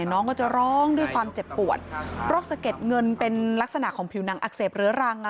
น้องก็จะร้องด้วยความเจ็บปวดโรคสะเก็ดเงินเป็นลักษณะของผิวหนังอักเสบเรื้อรัง